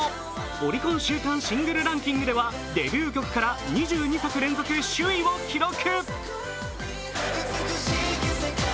オリコン週間シングルランキングではデビュー曲から２２作連続首位を記録。